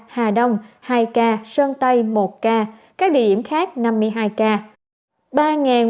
hà đông hai ca sơn tây một ca các địa điểm khác năm mươi hai ca